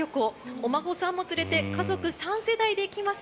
お孫さんもつれて家族３世代で行きます